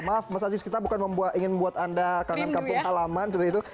maaf mas aziz kita bukan ingin membuat anda kangen kampung halaman seperti itu